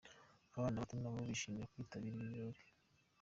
Abana bato na bo bishimira kwitabira ibi birori.